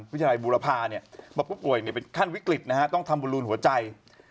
วิทยาศาสตร์บูรพาเนี่ยป่วยก็ไม่ได้ครั้งวิกฤตนะต้องทำบลูนหัวใจ